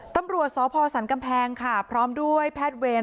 ตำรวจสพสันกำแพงค่ะพร้อมด้วยแพทย์เวร